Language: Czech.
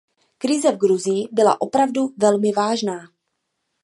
Krize v Gruzii byla opravdu velmi vážná.